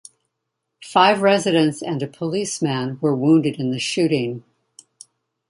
Five residents and a policeman were wounded in the shooting.